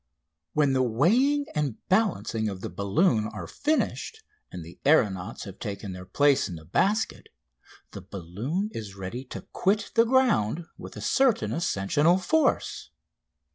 When the weighing and balancing of the balloon are finished and the aeronauts have taken their place in the basket the balloon is ready to quit the ground with a certain ascensional force.